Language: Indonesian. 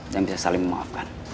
dan bisa saling memaafkan